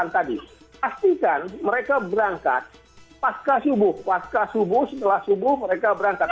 tadi pastikan mereka berangkat pasca subuh pasca subuh setelah subuh mereka berangkat